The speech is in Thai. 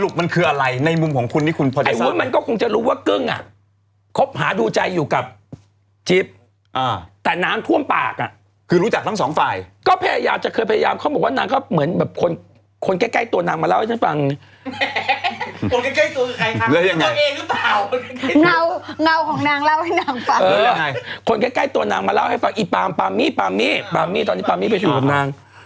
คนใกล้ตัวนางมาเล่าให้ฟังอีปามปามมี่ปามมี่ปามมี่ตอนนี้ปามมี่ไปถูกกับนาง